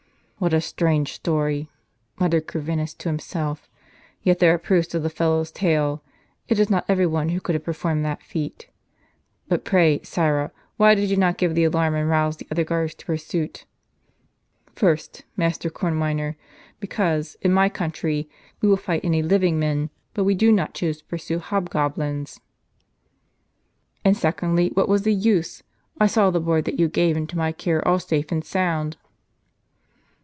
"What a strange story !" muttered Corvinus to himself; "yet there are proofs of the fellow's tale. It is not every one who could have performed that feat. But pray, sirrah, why did you not give the alarm, and rouse the other guards to pursuit?" " First, Master Kornweiner, because, in my country, we will fight any living men, but we do not choose to pursue hobgoblins. And, secondly, what was the use? I saw the board that you gave into my care all safe and sound."